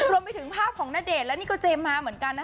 รวมไปถึงภาพของณเดชน์และนี่ก็เจมส์มาเหมือนกันนะ